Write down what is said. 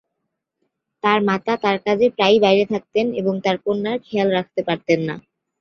তার মাতা তার কাজে প্রায়ই বাইরে থাকতেন এবং তার কন্যার খেয়াল রাখতে পারতেন না।